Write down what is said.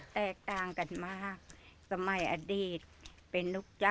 แตกต่างกันมากสมัยอดีตเป็นลูกจ้าง